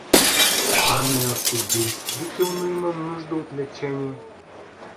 Ами ако действително имам нужда от лечение?